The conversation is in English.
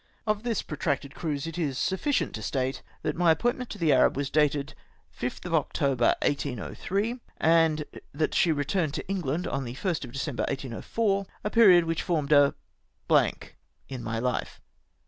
Of tliis protracted cruise it is sufficient to state that my appointment to the Arab was dated October 5th, 1803, and that she returned to England on the 1st of December, 1804, a period which formed a blank in my hfe.